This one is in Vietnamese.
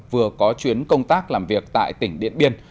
vừa có chuyến công tác làm việc tại tỉnh điện biên